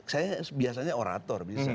saya biasanya orator